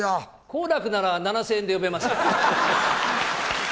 好楽なら７０００円で呼べますが。